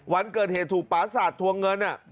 วันเกิดเหตุภาษาศาจทวงเงินน่ะ